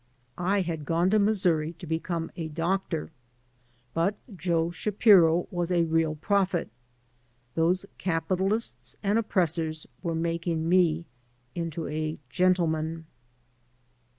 I had gone to Missouri to become a doctor. But Joe Shapiro was a real prophet. Those capitalists and oppressors were making me into a gentleman.